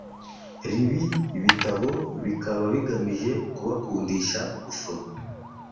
Iibi bitabo bikaba bigamije kubakundisha gusoma